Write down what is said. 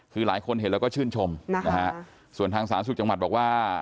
คือหลายคนเห็นแล้วก็ชื่นชมนะฮะส่วนทางสาธารณสุขจังหวัดบอกว่า